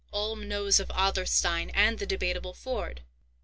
Ulm knows of Adlerstein, and the Debateable Ford!"